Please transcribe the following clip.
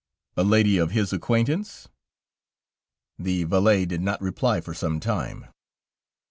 "A lady of his acquaintance?" The valet did not reply for some time.